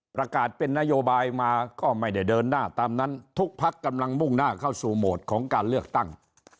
ประกาศเป็นนโยบายมาก็ไม่ได้เดินหน้าตามนั้นทุกพักกำลังมุ่งหน้าเข้าสู่โหมดของการเลือกตั้ง